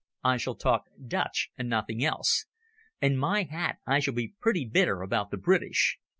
I shall talk Dutch and nothing else. And, my hat! I shall be pretty bitter about the British.